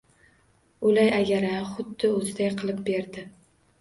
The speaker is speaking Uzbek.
O’lay agar-a, xuddi o‘ziday qilib berdi.